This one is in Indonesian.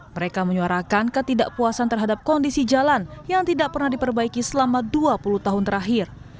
mereka menyuarakan ketidakpuasan terhadap kondisi jalan yang tidak pernah diperbaiki selama dua puluh tahun terakhir